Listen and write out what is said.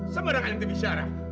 semerang ada yang terbicara